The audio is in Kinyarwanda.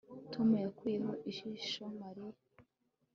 Tom yakuyeho ijisho Mariya